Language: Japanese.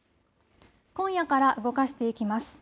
今夜から動かしていきます。